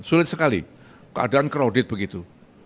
sulit sekali keadaan crowded begitu